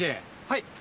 はい。